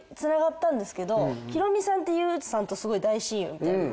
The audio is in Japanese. ヒロミさんってＹＯＵさんとすごい大親友みたいな。